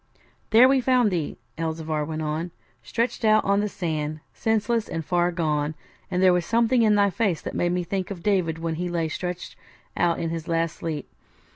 'There we found thee,' Elzevir went on, 'stretched out on the sand, senseless and far gone; and there was something in thy face that made me think of David when he lay stretched out in his last sleep.